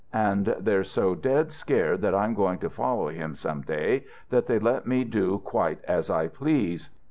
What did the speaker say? And they're so dead scared that I'm going to follow him some day that they let me do quite as I please."